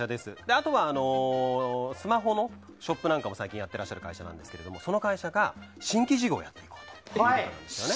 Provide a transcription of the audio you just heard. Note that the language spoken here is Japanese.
あとはスマホのショップなんかも最近やってらっしゃる会社ですがその会社が新規事業をやると。